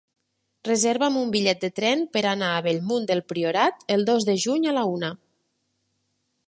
Reserva'm un bitllet de tren per anar a Bellmunt del Priorat el dos de juny a la una.